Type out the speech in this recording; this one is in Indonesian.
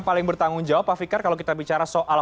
paling bertanggung jawab pak fikar kalau kita bicara soal